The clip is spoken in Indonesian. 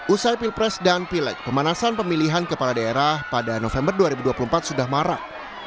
usai pilpres dan pilek pemanasan pemilihan kepala daerah pada november dua ribu dua puluh empat sudah marah